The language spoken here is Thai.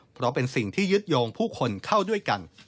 เพราะเป็นสิ่งที่ยึดโยงผู้คนเข้าด้วยกัน